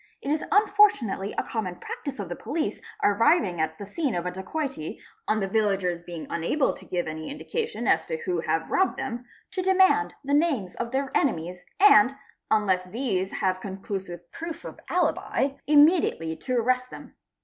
It is unfortunately a common practice of the police arriving ii the scene of a dacoity, on the villagers being unable to give any ndication as tb who have robbed them, to demand the names of their : nemies and, unless these have conclusive proof of alibi, immediately to 4 rrest them.